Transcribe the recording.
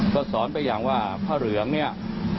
ก็สอนไปอย่างว่าผ้าเหลืองเนี่ย